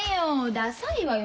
ダサいわよ